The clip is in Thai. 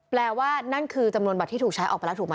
แปลว่านั่นคือจำนวนบัตรที่ถูกใช้ออกไปแล้วถูกไหม